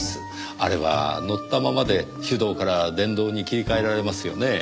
あれは乗ったままで手動から電動に切り替えられますよねぇ。